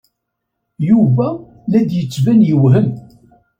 Yuba la d-yettban yewhem.